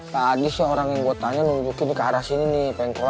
tadi sih orang yang gue tanya nunjukin ke arah sini nih